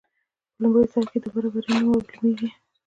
په لومړي سر کې دا برابري نه معلومیږي.